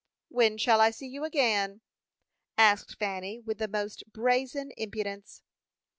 "When shall I see you again?" asked Fanny, with the most brazen impudence.